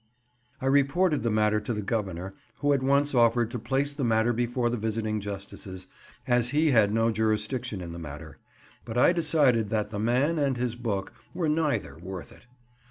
I reported the matter to the Governor, who at once offered to place the matter before the visiting Justices, as he had no jurisdiction in the matter; but I decided that the man and his book were neither worth it.